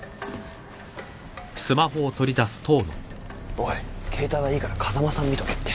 おい携帯はいいから風間さん見とけって。